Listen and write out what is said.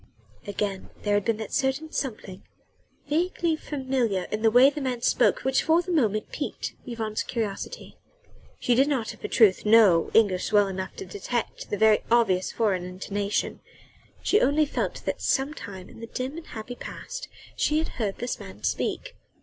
Again there had been that certain something vaguely familiar in the way the man spoke which for the moment piqued Yvonne's curiosity. She did not, of a truth, know English well enough to detect the very obvious foreign intonation; she only felt that sometime in the dim and happy past she had heard this man speak.